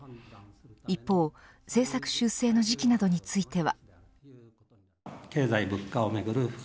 一方、政策修正の時期などについては。